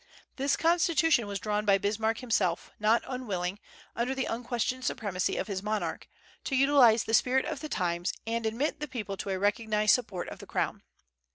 This constitution was drawn by Bismarck himself, not unwilling, under the unquestioned supremacy of his monarch, to utilize the spirit of the times, and admit the people to a recognized support of the crown.